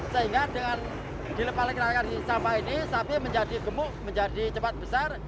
sehingga dengan dilepas lekan di sampah ini sapi menjadi gemuk menjadi cepat besar